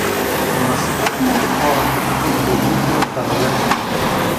Настръхнали хората като бодлите на таралеж.